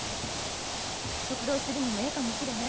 食堂するのもええかもしれへん。